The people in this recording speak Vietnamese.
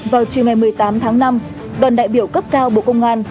vào chiều ngày một mươi tám tháng năm đoàn đại biểu cấp cao bộ công an